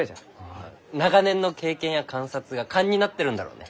ああ長年の経験や観察が勘になってるんだろうね。